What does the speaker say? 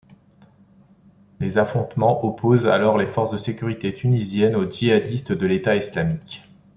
Les affrontements opposent alors les forces de sécurité tunisiennes aux djihadistes de l'État islamique.